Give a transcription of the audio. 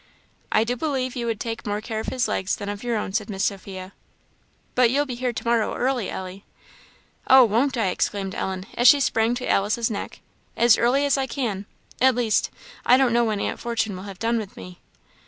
"I do believe you would take more care of his legs than of your own," said Miss Sophia. "But you'll be here to morrow early, Ellie?" "Oh, won't I?" exclaimed Ellen, as she sprang to Alice's neck "as early as I can, at least; I don't know when Aunt Fortune will have done with me."